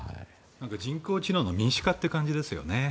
人工知能の民主化という感じですよね。